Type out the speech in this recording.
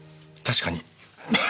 確かに。